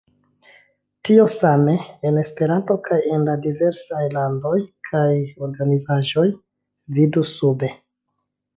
Tio same en Esperanto kaj en la diversaj landoj kaj organizaĵoj, vidu sube.